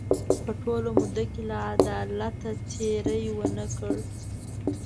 په ټوله موده کې له عدالته تېری ونه کړ.